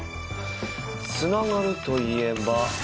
つながるといえば。